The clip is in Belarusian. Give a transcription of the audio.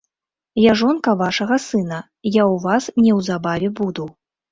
Я жонка вашага сына, я ў вас неўзабаве буду.